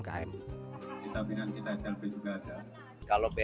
kita binaan kita slb juga ada